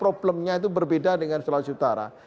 problemnya itu berbeda dengan sulawesi utara